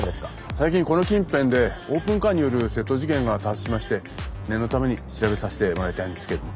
最近この近辺でオープンカーによる窃盗事件が多発しまして念のために調べさせてもらいたいんですけども。